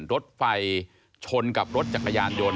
รถไฟชนกับรถจักรยานยนต